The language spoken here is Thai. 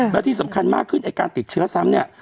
แล้วที่สำคัญมากขึ้นไอ้การติดเชื้อซ้ำเนี่ย